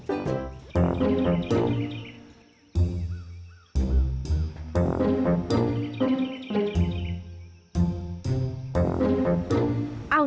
แบบบ้านไหว